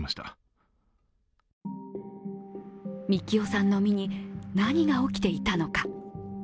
樹生さんの身に何が起きていたのか。